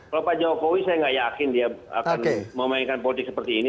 kalau pak jokowi saya nggak yakin dia akan memainkan politik seperti ini